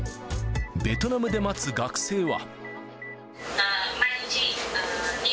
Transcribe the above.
ベトナムで待つ学生は。